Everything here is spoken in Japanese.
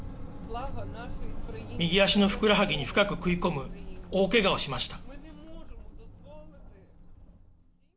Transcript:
右足のふくらはぎに深く食い込む大けがをしました。